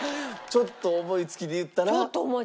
ちょっと思いつきで言ったら。